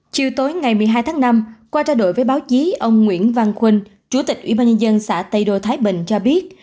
chiều tối ngày một mươi hai tháng năm qua trao đổi với báo chí ông nguyễn văn khuân chủ tịch ủy ban nhân dân xã tây đô thái bình cho biết